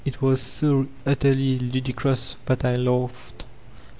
It was so utterly ludicrous that I latigfaed.